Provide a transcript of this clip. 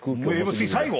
次最後⁉